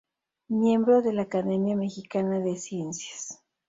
Miembro de la Academia Mexicana de Ciencias.